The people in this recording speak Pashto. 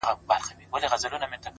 مړ يې کړم اوبه له ياده وباسم-